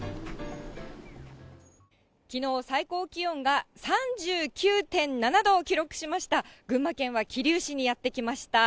きのう、最高気温が３９．７度を記録しました、群馬県は桐生市にやって来ました。